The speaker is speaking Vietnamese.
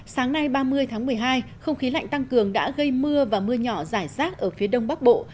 sáng nay ba mươi tháng một mươi hai không khí lạnh tăng cường đã gây mưa và mưa nhỏ rải rác ở phía đông bắc bộ